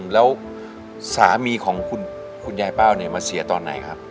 แล้วสามีของคุณยายเป้าเนี่ยมาเสียตอนไหนครับ